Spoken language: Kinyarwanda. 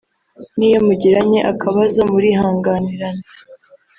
niyo mugiranye akabazo murihanganirana